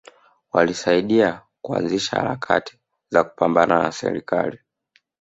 Walisaidia kuanzisha harakati za kupambana na serikali